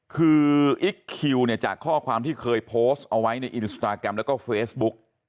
คืออิ๊กคิวเนี่ยจากข้อความที่เคยโพสต์เอาไว้ในอินสตาแกรมแล้วก็เฟซบุ๊ก